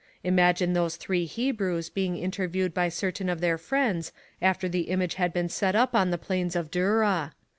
Imagine those three Hebrews being interviewed \)y certain of their friends after the image had been set up on the plains of Dura.